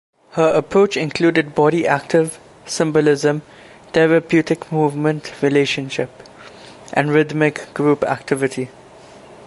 Her approach included body active, symbolism, therapeutic movement relationship, and rhythmic group activity.